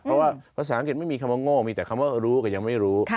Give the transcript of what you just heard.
เพราะว่าภาษาอังกฤษไม่มีคำว่าโง่มีแต่คำว่ารู้ก็ยังไม่รู้